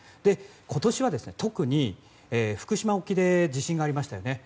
今年は特に福島沖で地震がありましたよね。